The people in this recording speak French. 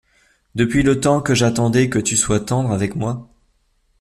Depuis le temps que j’attendais que tu sois tendre avec moi…